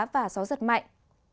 và gió giật mạnh